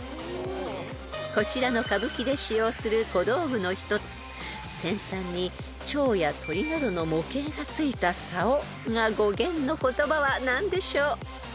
［こちらの歌舞伎で使用する小道具の一つ先端にチョウや鳥などの模型がついたさおが語源の言葉は何でしょう？］